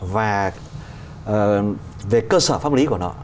và về cơ sở pháp lý của nó